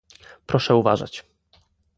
Proszę uważać